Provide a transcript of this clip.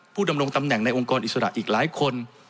ดำรงตำแหน่งในองค์กรอิสระอีกหลายคน